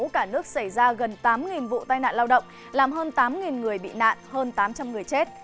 cả nước xảy ra gần tám vụ tai nạn lao động làm hơn tám người bị nạn hơn tám trăm linh người chết